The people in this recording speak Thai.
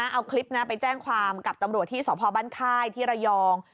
เอาคลิปไปแจ้งความกับตำรวจที่สพบ้านค่ายที่ระยอง